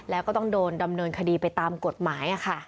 แล้วก็ต้องโดนดำเนินคดีไปตามกฎหมาย